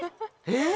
えっ！